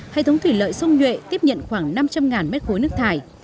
hệ thống thủy lợi sông nhuệ tiếp nhận khoảng năm trăm linh m ba nước thải